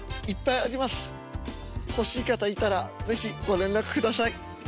欲しい方いたら是非ご連絡ください。